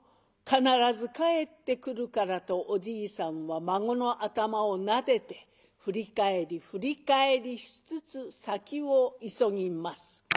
必ず帰ってくるから」とおじいさんは孫の頭をなでて振り返り振り返りしつつ先を急ぎます。